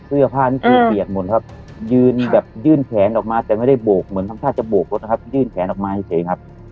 เสื้อผ้านี่คือเบียดหมดครับยืนแบบยื่นแขนออกมาแต่ไม่ได้โบกเหมือนทำท่าจะโบกรถนะครับยื่นแขนออกมาเฉยครับ